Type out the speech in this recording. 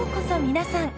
皆さん。